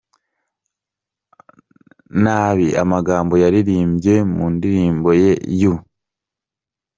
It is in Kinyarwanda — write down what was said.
nabi amagambo yaririmbye mu ndirimbo ye "You.